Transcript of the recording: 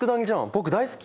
僕大好き！